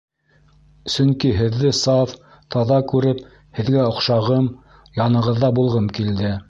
Сөнки һеҙҙе саф, таҙа күреп, һеҙгә оҡшағым, янығыҙҙа булғым килде.